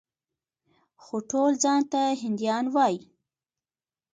خو ټول ځان ته هندیان وايي.